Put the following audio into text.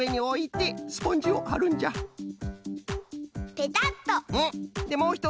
ペタッと！